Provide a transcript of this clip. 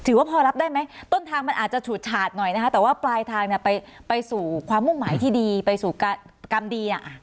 ว่าพอรับได้ไหมต้นทางมันอาจจะฉูดฉาดหน่อยนะคะแต่ว่าปลายทางเนี่ยไปสู่ความมุ่งหมายที่ดีไปสู่กรรมดี